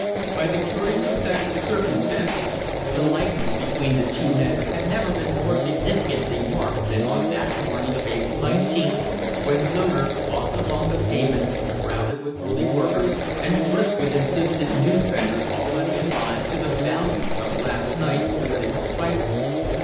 By the curious effect of circumstances the likeness between the two men had never been more significantly marked than on that morning of April 19th, when Loder walked along the pavements crowded with early workers and brisk with insistent news venders already alive to the value of last night's political crisis.